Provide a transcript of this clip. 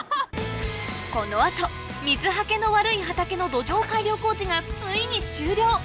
この後水はけの悪い畑の土壌改良工事がついに終了！